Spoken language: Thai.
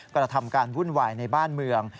กระทำการวุ่นวายในบ้านเมือง